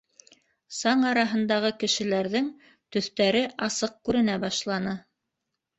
Саң араһындағы кешеләрҙең төҫтәре асыҡ күренә башланы.